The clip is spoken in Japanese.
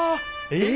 え！